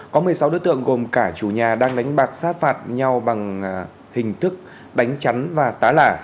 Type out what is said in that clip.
có một mươi sáu đối tượng gồm cả chủ nhà đang đánh bạc sát phạt nhau bằng hình thức đánh trắn và tá lả